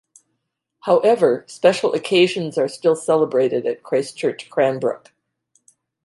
However, special occasions are still celebrated at Christ Church Cranbrook.